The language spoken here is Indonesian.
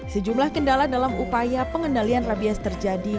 sejumlah kendala dalam upaya pengendalian rabies terjadi